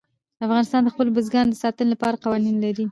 افغانستان د خپلو بزګانو د ساتنې لپاره قوانین لري.